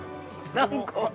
◆何個？